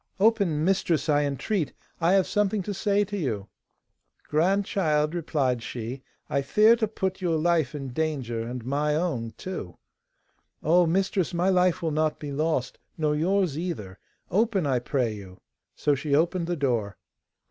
'Open, mistress, I entreat, I have something to say to you.' 'Grandchild,' replied she, 'I fear to put your life in danger, and my own too.' 'Oh, mistress, my life will not be lost, nor yours either; open, I pray you.' So she opened the door.